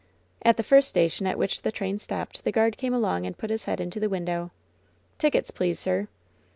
At the first station at which the train stopped, the guard came along and put his head into the window. "Tickets, please, sir."